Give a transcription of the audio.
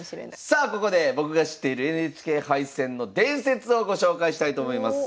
さあここで僕が知っているＮＨＫ杯戦の伝説をご紹介したいと思います。